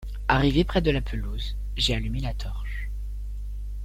Arrivé près de la pelouse, j’ai allumé la torche.